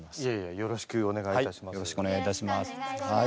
よろしくお願いします。